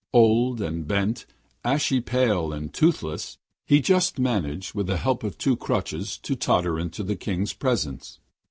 Old and bent, ashy pale and toothless, he just managed with the help of two crutches to totter into the King's presence.